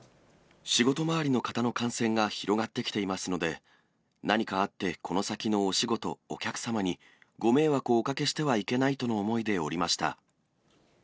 仕事周りの方の感染が広がってきていますので、何かあって、この先のお仕事、お客様にご迷惑をおかけしてはいけないとの思いでおりました。